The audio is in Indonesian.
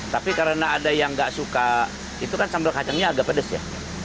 tapi karena ada yang nggak suka itu kan sambal kacangnya agak pedes ya